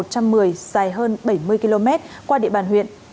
dài hơn bảy mươi km qua địa bàn huyện